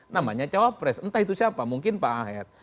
namanya cawapres entah itu siapa mungkin pak aher